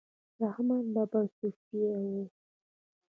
رحمان بابا صوفي و